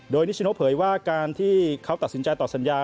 โดยนิชโนเผยว่าการที่เขาตัดสินใจต่อสัญญา